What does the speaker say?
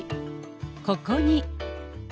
ここに。